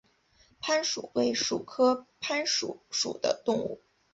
攀鼠为鼠科攀鼠属的动物。